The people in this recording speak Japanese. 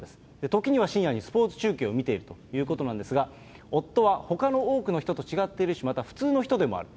時には深夜にスポーツ中継を見ているということなんですが、夫はほかの多くの人と違っているし、また普通の人でもある。